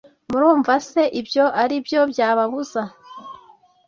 murumva se ibyo ari byo byababuza